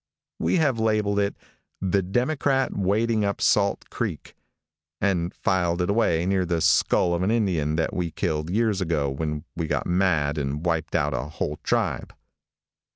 We have labeled it "The Democrat Wading Up Salt Creek" and filed it away near the skull of an Indian that we killed years ago when we got mad and wiped out a whole tribe.